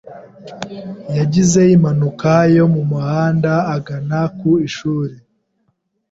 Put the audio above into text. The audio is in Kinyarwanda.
Yagize impanuka yo mumuhanda agana ku ishuri.